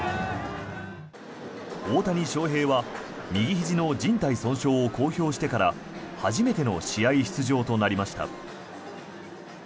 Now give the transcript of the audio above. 大谷翔平は、右ひじのじん帯損傷を公表してから初めての試合出場となりました。